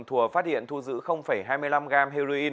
thùa phát hiện thu giữ hai mươi năm g heroin